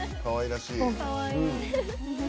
かわいらしい。